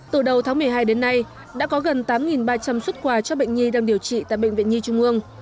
từ đầu tháng một mươi hai đến nay đã có gần tám ba trăm linh xuất quà cho bệnh nhi đang điều trị tại bệnh viện nhi trung ương